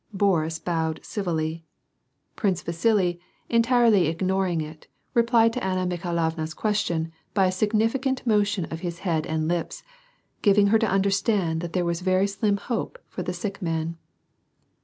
Boris bowed civily. Prince Vasili, entirely ignoring it, re plied to Anna Mikhailovna's question by a significant motion of his head and lips, giving her to understand that there was very slim hope for the sick man.